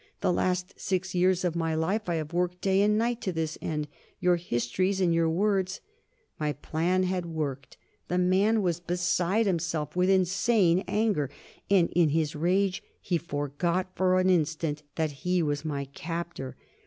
The last six years of my life I have worked day and night to this end; your histories and your words " My plan had worked. The man was beside himself with insane anger. And in his rage he forgot, for an instant, that he was my captor.